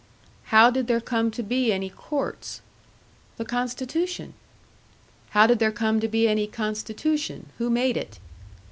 "How did there come to be any courts?" "The Constitution." "How did there come to be any Constitution? Who made it?"